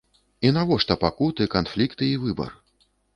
І навошта пакуты, канфлікты й выбар?